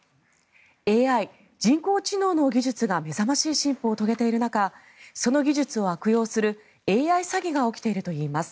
ＡＩ・人工知能の技術が目覚ましい進歩を遂げている中その技術を悪用するＡＩ詐欺が起きているといいます。